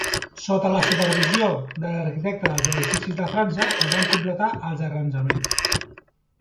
Sota la supervisió de l'arquitecte dels Edificis de França es van completar els arranjaments.